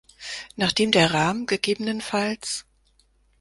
Nachdem der Rahm ggf.